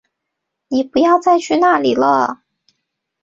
妳不要再去那里了